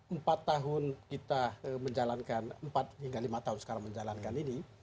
empat hingga lima tahun kita menjalankan ini